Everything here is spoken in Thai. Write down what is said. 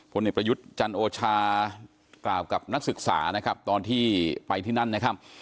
เด็กประยุทธ์จันโอชากล่าวกับนักศึกษานะครับตอนที่ไปที่นั่นนะครับ